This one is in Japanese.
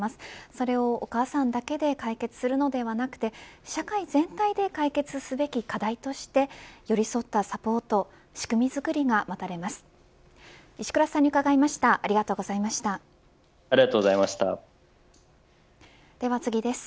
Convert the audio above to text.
それを、お母さんだけで解決するのではなくて社会全体で解決すべき課題として寄り添ったサポート仕組みづくりが待たれます。